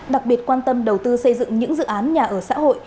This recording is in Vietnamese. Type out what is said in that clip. đặc biệt quan tâm đầu tư xây dựng những dự án nhà ở xã hội